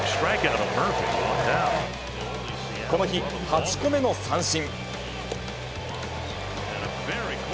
この日、８個目の三振。